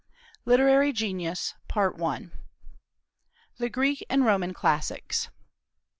LITERARY GENIUS: THE GREEK AND ROMAN CLASSICS.